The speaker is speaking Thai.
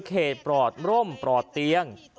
ปลอดร่มปลอดเตียง